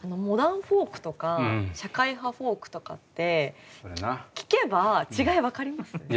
モダンフォークとか社会派フォークとかって聴けば違い分かります？